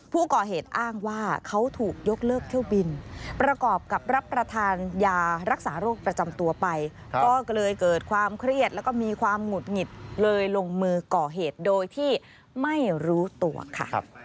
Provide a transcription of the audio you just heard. ผู้ก่อเหตุอ้างว่าเขาถูกยกเลิกเที่ยวบินประกอบกับรับประทานยารักษาโรคประจำตัวไปก็เลยเกิดความเครียดแล้วก็มีความหงุดหงิดเลยลงมือก่อเหตุโดยที่ไม่รู้ตัวค่ะ